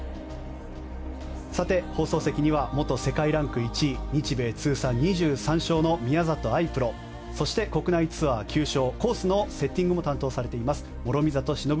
さて、放送席には元世界ランク１位日米通算２３勝の宮里藍プロそして、国内ツアー９勝コースのセッティングも担当されています諸見里しのぶ